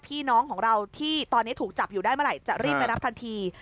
พี่น้องของเราที่ตอนนี้ถูกจับอยู่ได้เมื่อไหร่จะรีบไปรับทันที